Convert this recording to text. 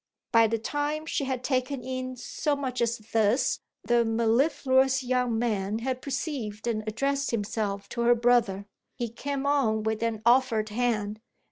By the time she had taken in so much as this the mellifluous young man had perceived and addressed himself to her brother. He came on with an offered hand.